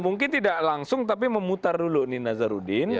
mungkin tidak langsung tapi memutar dulu nih nazarudin